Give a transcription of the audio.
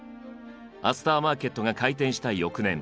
アスター・マーケットが開店した翌年。